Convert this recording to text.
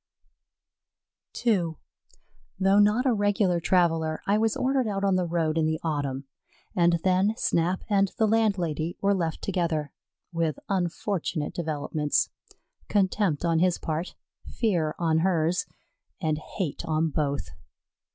II Though not a regular traveller, I was ordered out on the road in the autumn, and then Snap and the landlady were left together, with unfortunate developments. Contempt on his part fear on hers; and hate on both.